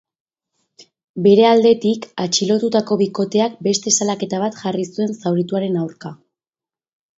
Bere aldetik, atxilotutako bikoteak beste salaketa bat jarri zuen zaurituaren aurka.